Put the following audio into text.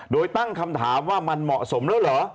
โดยตั้งคำถามว่ามันเหมาะสมแล้วเหรอ